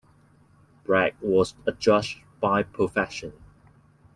Black was a judge by profession.